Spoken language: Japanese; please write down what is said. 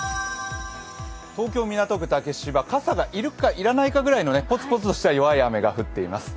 東京・港区竹芝傘が要るか要らないかぐらいのポツポツとした弱い雨が降っています。